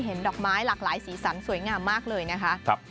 ดอกไม้หลากหลายสีสันสวยงามมากเลยนะคะ